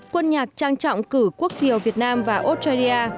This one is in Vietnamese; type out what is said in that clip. quân nhạc trang trọng cử quốc thiều việt nam và australia